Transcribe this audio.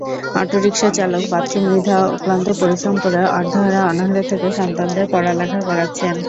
অটোরিকশাচালক বাচ্চু মৃধা অক্লান্ত পরিশ্রম করে অর্ধাহারে-অনাহারে থেকে সন্তানদের পড়ালেখা করাচ্ছেন।